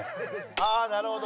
ああなるほど。